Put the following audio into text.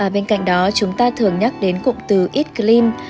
bên cạnh đó chúng ta thường nhắc đến cụm từ eat clean